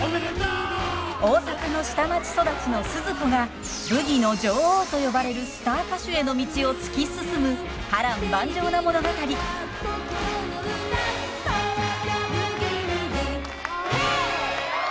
大阪の下町育ちのスズ子がブギの女王と呼ばれるスター歌手への道を突き進む波乱万丈な物語。へいっ！